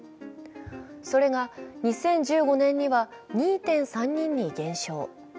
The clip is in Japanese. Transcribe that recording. それが２０１５年には２．３人に減少。